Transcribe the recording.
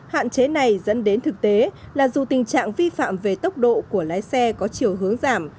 hạn chế này dẫn đến thực tế là dù tình trạng vi phạm về tốc độ của lái xe có chiều hướng giảm